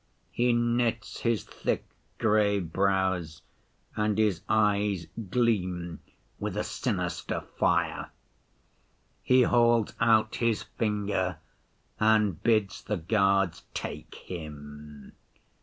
He knits his thick gray brows and his eyes gleam with a sinister fire. He holds out his finger and bids the guards take Him.